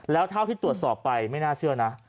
แล้วเท่าที่ตรวจสอบไปไม่น่าเชื่อนะ